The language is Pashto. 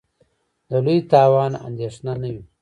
د لوی تاوان اندېښنه نه وي.